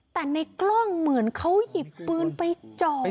แต่ในกล้องเหมือนเขาหยิบปืนไปจ่อ